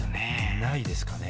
ないですかね？